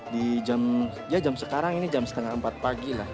di jam ya jam sekarang ini jam setengah empat pagi lah